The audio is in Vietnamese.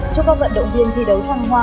chúc các vận động viên thi đấu thăng hoa